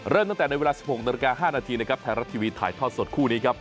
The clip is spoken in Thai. เริ่มตั้งแต่ในเวลา๑๖น๕นแทนรับทีวีถ่ายทอดสดคู่นี้ครับ